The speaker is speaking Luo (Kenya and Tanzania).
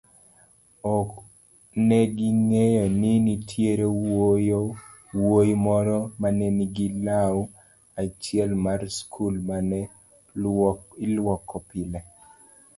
ok neging'eyo ni nitiere wuoyi moro manenigi lau achielmarskulmaneluokopile